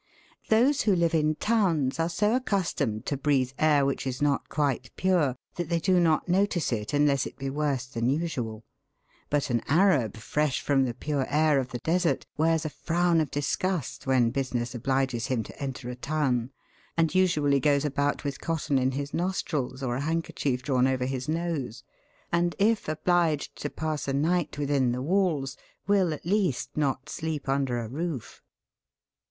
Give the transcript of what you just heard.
Those who live in towns are so accustomed to breathe air which is not quite pure that they do not notice it unless it be worse than usual, but an Arab, fresh from the pure air of the desert, wears a frown of disgust when business obliges him to enter a town, and usually goes about with cotton in his nostrils or a handkerchief drawn over his nose, and if obliged to pass a night within the walls, will at least not sleep under a roof.